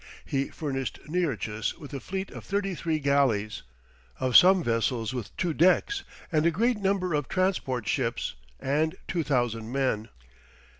He furnished Nearchus with a fleet of thirty three galleys, of some vessels with two decks, and a great number of transport ships, and 2000 men.